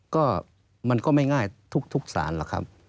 ก็มันก็ไม่ง่ายทุกสารหรอกครับ